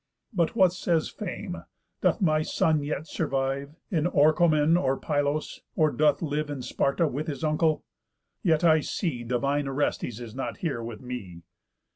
But what says Fame? Doth my son yet survive, In Orchomen, or Pylos? Or doth live In Sparta with his uncle? Yet I see Divine Orestes is not here with me.